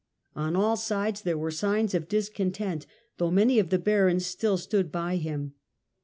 On all sides there were signs of discontent, though many of the barons still stood by him.